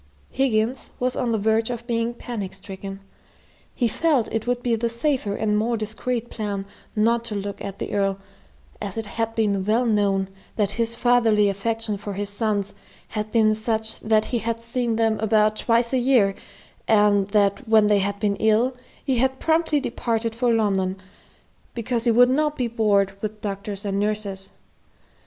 Higgins was on the verge of being panic stricken. He felt it would be the safer and more discreet plan not to look at the Earl, as it had been well known that his fatherly affection for his sons had been such that he had seen them about twice a year, and that when they had been ill, he had promptly departed for London, because he would not be bored with doctors and nurses.